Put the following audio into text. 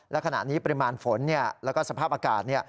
และขณะนี้ปริมาณฝนแล้วก็สภาพอากาศ